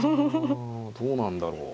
どうなんだろう。